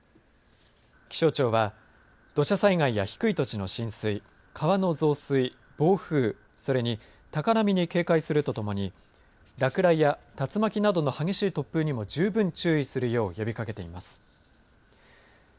気象庁は土砂災害や低い土地の浸水川の増水、暴風それに高波に警戒するとともに落雷や竜巻などの激しい突風などにも十分注意するよう呼びかけています。